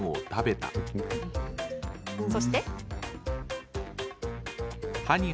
そして。